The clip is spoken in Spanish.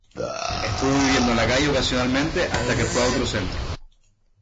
Estuvo viviendo en la calle ocasionalmente hasta que fue a otro centro.